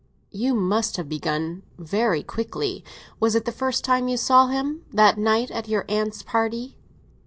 "You must have begun very quickly. Was it the first time you saw him—that night at your aunt's party?"